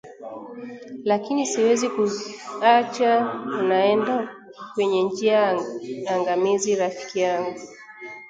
lakini siwezi kukuacha unaenda kwenye njia angamizi rafiki yangu